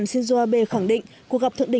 xin chào và hẹn gặp lại